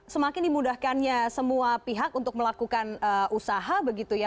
semakin dimudahkannya semua pihak untuk melakukan usaha begitu ya